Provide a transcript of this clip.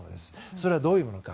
それはどういうものか。